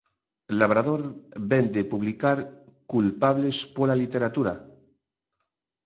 Labrador vén de publicar "Culpables pola literatura".